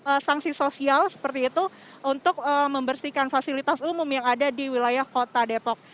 ada sanksi sosial seperti itu untuk membersihkan fasilitas umum yang ada di wilayah kota depok